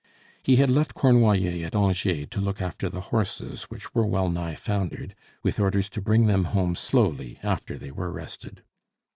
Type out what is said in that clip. He had left Cornoiller at Angers to look after the horses, which were well nigh foundered, with orders to bring them home slowly after they were rested.